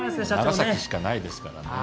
長崎しかないですからね。